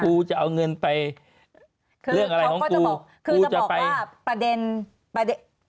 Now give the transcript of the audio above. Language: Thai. ครูจะเอาเงินไปคือเรื่องอะไรเขาก็จะบอกคือจะบอกว่าประเด็นประเด็น